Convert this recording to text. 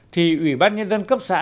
thì ủy ban nhân dân cấp xã